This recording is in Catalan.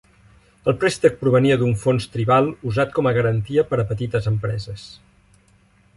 El préstec provenia d'un fons tribal usat com a garantia per a petites empreses.